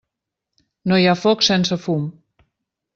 No hi ha foc sense fum.